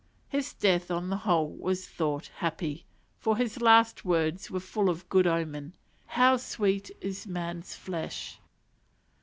His death on the whole was thought happy; for his last words were full of good omen: "How sweet is man's flesh."